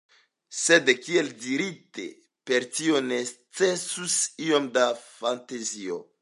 Sed kiel dirite, por tio necesus iom da fantazio.